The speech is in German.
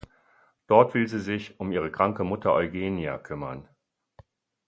Dort will sie sich um ihre kranke Mutter Eugenia kümmern.